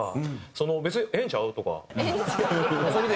「それでええんちゃう？」とか。